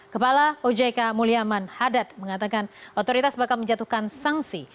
kepala ojk mulyaman hadad mengatakan otoritas bakal menjatuhkan sanksi